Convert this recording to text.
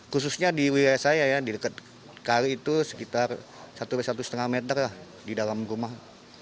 khususnya di wilayah saya ya di dekat kali itu sekitar satu lima meter lah di dalam rumah